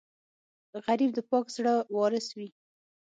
غریب د پاک زړه وارث وي